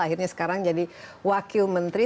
akhirnya sekarang jadi wakil menteri